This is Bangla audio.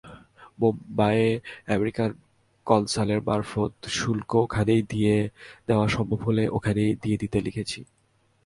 বোম্বাইয়ে আমেরিকান কনসালের মারফৎ শুল্ক ওখানেই দিয়ে দেওয়া সম্ভব হলে ওখানেই দিয়ে দিতে লিখেছি।